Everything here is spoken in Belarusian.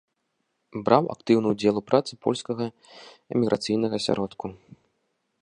Браў актыўны ўдзел у працы польскага эміграцыйнага асяродку.